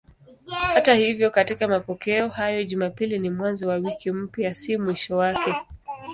Hata hivyo katika mapokeo hayo Jumapili ni mwanzo wa wiki mpya, si mwisho wake.